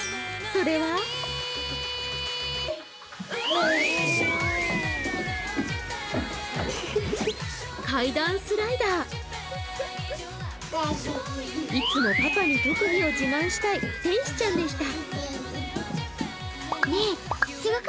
それはいつもパパに特技を自慢したい天使ちゃんでした。